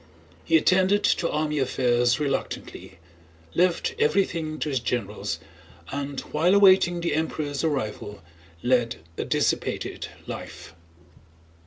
He attended to army affairs reluctantly, left everything to his generals, and while awaiting the Emperor's arrival led a dissipated life.